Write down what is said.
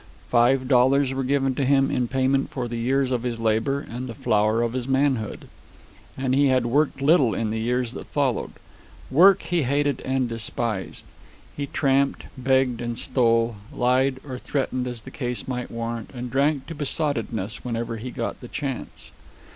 Five dollars were given him in payment for the years of his labor and the flower of his manhood. And he had worked little in the years that followed. Work he hated and despised. He tramped, begged and stole, lied or threatened as the case might warrant, and drank to besottedness whenever he got the chance.